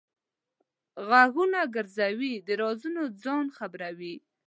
غوږونه ګرځوي؛ د رازونو ځان خبروي.